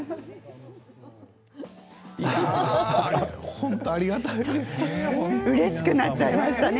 本当にありがたいですね。